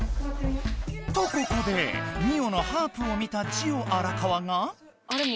とここでミオのハープを見たジオ荒川が。